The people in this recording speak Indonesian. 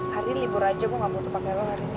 hari ini libur aja gue gak butuh pake lo hari ini